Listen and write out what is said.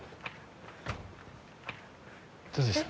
どうでした？